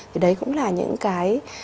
thì đấy cũng là những cái